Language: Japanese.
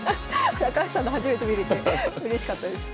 高橋さんの初めて見れてうれしかったです。